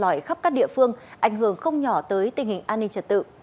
ở khắp các địa phương ảnh hưởng không nhỏ tới tình hình an ninh trật tự